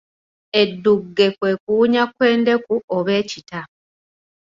Eddugge kwe kuwunya kw'endeku oba ekita.